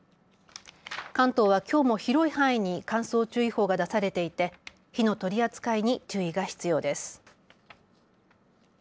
関東はきょうも広い範囲に乾燥注意報が出されていて火の取り扱いに注意が必要です。